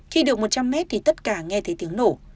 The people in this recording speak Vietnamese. khi được một trăm linh mét thì tất cả nghe thấy tiếng nổ